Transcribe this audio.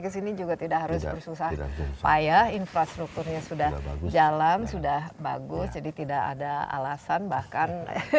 ke sini juga tidak harus bersusahupaya infrastrukturnya sudah jalan sudah bagus jadi tidak ada alasan bahkan